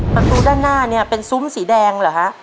ประตูด้านหน้าเนี่ยเป็นซุ้มสีแดงเหรอฮะ